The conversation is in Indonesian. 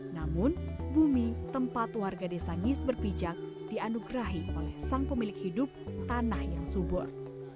namun bumi tempat warga desa ngis berpijak dianugerahi oleh sang pemilik hidup tanah yang subur